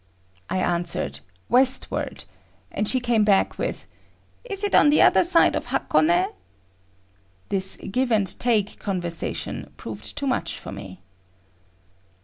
I answered "westward" and she came back with "Is it on the other side of Hakone?" This give and take conversation proved too much for me.